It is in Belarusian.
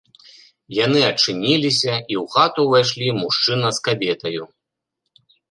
Яны адчыніліся, і ў хату ўвайшлі мужчына з кабетаю.